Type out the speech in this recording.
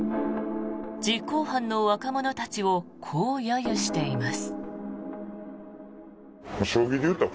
実行犯の若者たちをこう揶揄しています。